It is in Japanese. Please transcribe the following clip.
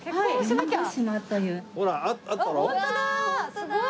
すごい。